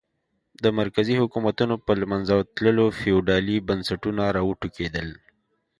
د مرکزي حکومتونو په له منځه تلو فیوډالي بنسټونه را وټوکېدل.